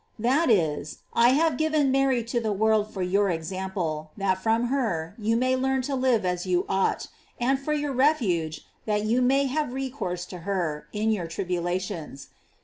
* That is, I have given Mary to the world for your example, that from her you may learn to live as you ought ; and for your refuge, that you may have recourse to her, In your tribulations.